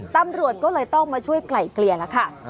ตำรวจก็เลยต้องมาช่วยไกล่เกลี่ยแล้วค่ะ